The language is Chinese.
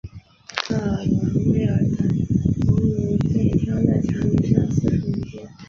克伦威尔的头颅被挑在长矛上四处游街。